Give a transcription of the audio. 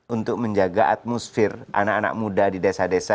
untuk menjaga atmosfer anak anak muda di desa desa